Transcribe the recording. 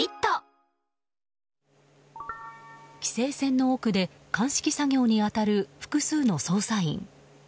規制線の奥で鑑識作業に当たる複数の捜査員。